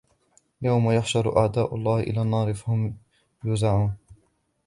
ويوم يحشر أعداء الله إلى النار فهم يوزعون